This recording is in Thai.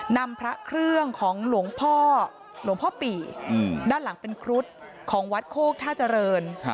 นำพระเครื่องของหลวงพ่อหลวงพ่อปี่ด้านหลังเป็นครุฑของวัดโคกท่าเจริญ